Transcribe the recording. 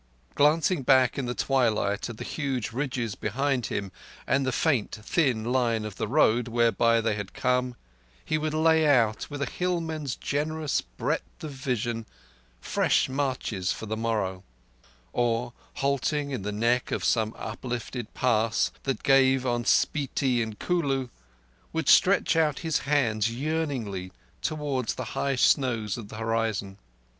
Glancing back in the twilight at the huge ridges behind him and the faint, thin line of the road whereby they had come, he would lay out, with a hillman's generous breadth of vision, fresh marches for the morrow; or, halting in the neck of some uplifted pass that gave on Spiti and Kulu, would stretch out his hands yearningly towards the high snows of the horizon.